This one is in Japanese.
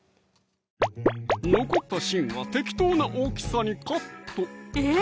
残った芯は適当な大きさにカットえ！